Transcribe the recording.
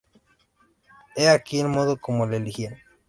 He aquí el modo como le elegían.